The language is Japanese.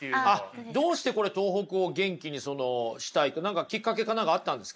どうしてこれ東北を元気にしたいって何かきっかけか何かあったんですか？